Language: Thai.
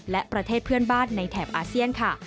และประเทศเพื่อนบ้านในแถบอาเซียนค่ะ